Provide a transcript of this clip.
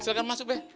silahkan masuk be